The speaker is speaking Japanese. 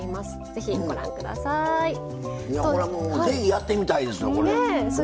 ぜひやってみたいです。